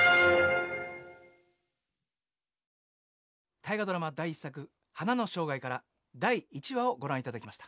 大河ドラマ第１作「花の生涯」から第１話をご覧いただきました。